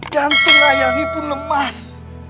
jantung ayah ini pun lemas